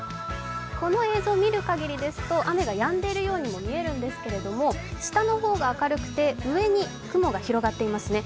この映像を見るかぎりですと雨がやんでいるようにも見えるんですが、下の方が明るくて上に雲が広がっていますね。